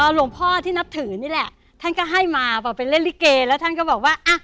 หลวงพ่อที่นับถือนี่แหละท่านก็ให้มาบอกไปเล่นลิเกแล้วท่านก็บอกว่าอ่ะ